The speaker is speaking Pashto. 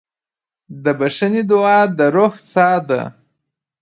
د بښنې دعا د روح ساه ده.